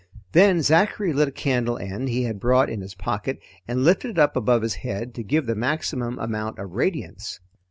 Then Zachary lit a candle end he had brought in his pocket, and lifted it up above his head to give the maximum amount of radiance.